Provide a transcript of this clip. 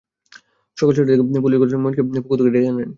সকাল ছয়টার দিকে পুলিশ ঘটনাস্থলে গিয়ে মঈনকে পুকুর থেকে ডেকে আনেন।